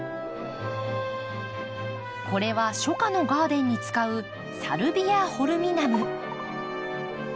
これは初夏のガーデンに使うサルビアホルミナム。